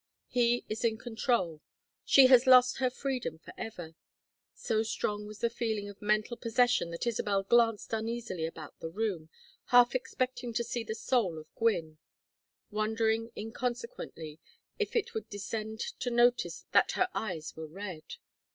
He is in control. She has lost her freedom for ever. So strong was the feeling of mental possession that Isabel glanced uneasily about the room, half expecting to see the soul of Gwynne; wondering inconsequently if it would descend to notice that her eyes were red.